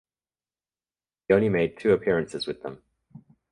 He only made two appearances with them.